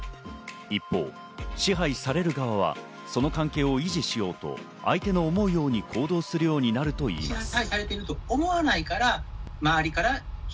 一方、支配される側はその関係を維持しようと相手の思うように行動するようになるといいます。